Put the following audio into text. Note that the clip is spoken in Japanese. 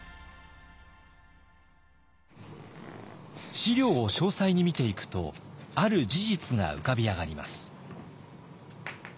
史料を詳細に見ていくとある事実が浮かび上がります。